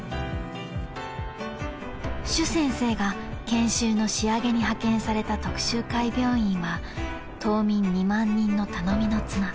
［朱先生が研修の仕上げに派遣された徳洲会病院は島民２万人の頼みの綱］